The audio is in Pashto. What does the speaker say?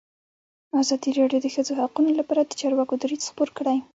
ازادي راډیو د د ښځو حقونه لپاره د چارواکو دریځ خپور کړی.